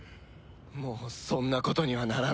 もうそんなことにはならない。